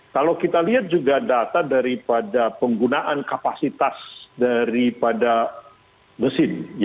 kalau kita lihat juga data daripada penggunaan kapasitas daripada mesin